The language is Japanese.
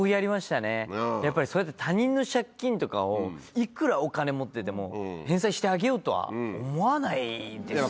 やっぱりそうやって他人の借金とかをいくらお金持ってても返済してあげようとは思わないですよ普通。